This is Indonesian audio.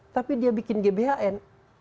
tapi dia bikin gbhn